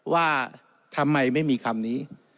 ว่าทำไมไม่มีคำนี้